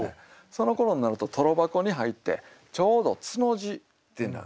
そのころになるとトロ箱に入ってちょうど「つ」の字ってな。